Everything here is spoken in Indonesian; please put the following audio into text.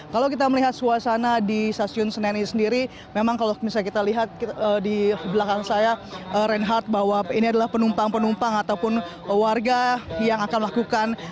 kalau kita melihat suasana di stasiun senen ini sendiri memang kalau misalnya kita lihat di belakang saya reinhardt bahwa ini adalah penumpang penumpang ataupun warga yang akan melakukan